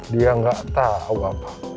dia gak tau apa